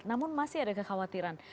namun masih ada kekhawatiran